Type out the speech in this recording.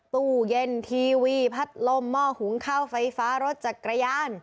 ตู้เย็นทีวีพัดลมหม้อหุงข้าวไฟฟ้ารถจักรยาน